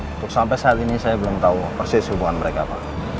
untuk sampai saat ini saya belum tahu persis hubungan mereka apa